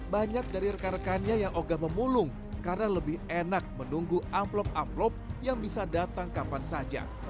banyak dari rekan rekannya yang ogah memulung karena lebih enak menunggu amplop amplop yang bisa datang kapan saja